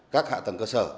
các hạ tầng cơ sở